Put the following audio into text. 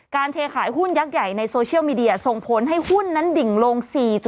เทขายหุ้นยักษ์ใหญ่ในโซเชียลมีเดียส่งผลให้หุ้นนั้นดิ่งลง๔๐